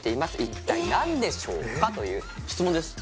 一体何でしょうかという質問です